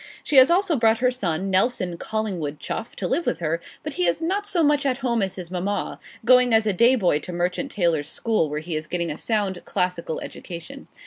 She has also brought her son, Nelson Collingwood Chuff, to live with her; but he is not so much at home as his mamma, going as a day boy to Merchant Taylors' School, where he is getting a sound classical education.